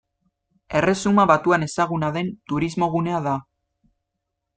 Erresuma Batuan ezaguna den turismogunea da.